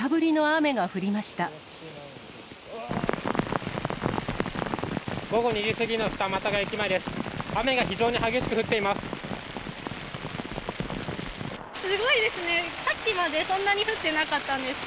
雨が非常に激しく降っています。